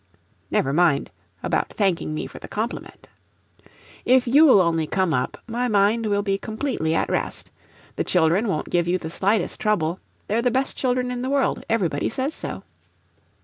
(Never mind about thanking me for the compliment.) If YOU'LL only come up, my mind will be completely at rest. The children won't give you the slightest trouble; they're the best children in the world everybody says so.